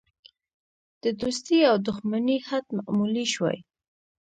د دوستی او دوښمنی حد معلومولی شوای.